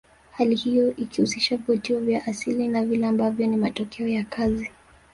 Hali hiyo ikihusisha vivutio vya asili na vile ambavyo ni matokeo ya kazi